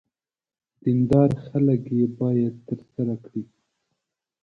دیندار خلک یې باید ترسره کړي.